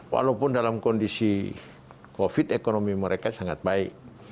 walaupun dalam kondisi covid ekonomi mereka sangat baik